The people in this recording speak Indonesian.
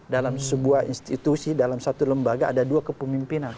dalam sebuah institusi dalam satu lembaga ada dua kepemimpinan